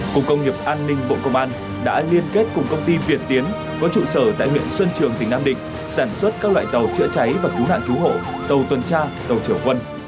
cục công nghiệp an ninh bộ công an đã liên kết cùng công ty việt tiến có trụ sở tại huyện xuân trường tỉnh nam định sản xuất các loại tàu chữa cháy và cứu nạn cứu hộ tàu tuần tra tàu trở quân